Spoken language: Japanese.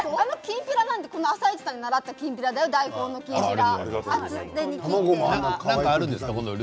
この、きんぴらなんて「あさイチ」で習ったきんぴらだよ、大根のきんぴら。